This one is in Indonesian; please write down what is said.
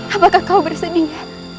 apakah kau bersedia